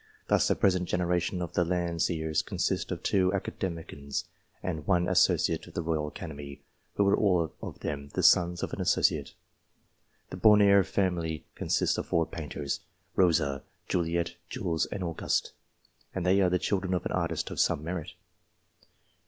Thus, the present generation of the Landseers consists of two Academicians and one Associate of the Koyal Academy, who were all of them the sons of an Associate. The Bonheur family consists of four painters. Rosa, Juliette, Jules, and Auguste, and they are the children of an artist of some merit.